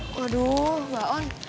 waduh mbak on